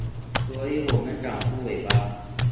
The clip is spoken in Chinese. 所以我们长出尾巴